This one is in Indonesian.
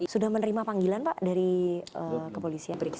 sudah menerima panggilan pak dari kepolisian